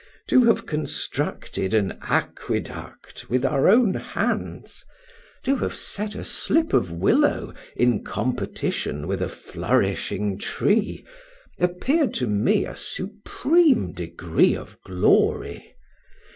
To have constructed an aqueduct with our own hands, to have set a slip of willow in competition with a flourishing tree, appeared to me a supreme degree of glory!